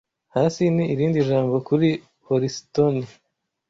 "Hasi" ni irindi jambo kuri Holisitoni